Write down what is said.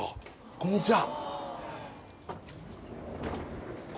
こんにちは